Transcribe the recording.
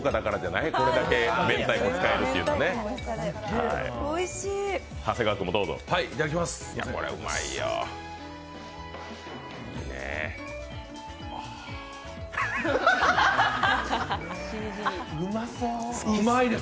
いただきます。